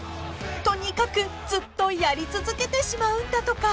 ［とにかくずっとやり続けてしまうんだとか］